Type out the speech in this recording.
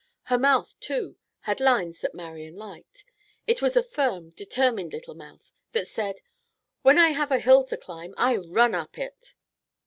Her mouth, too, had lines that Marian liked. It was a firm, determined little mouth that said: "When I have a hill to climb I run up it."